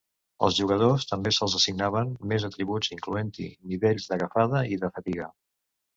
Als jugadors també se'ls assignaven més atributs, incloent-hi nivells d'agafada i de fatiga.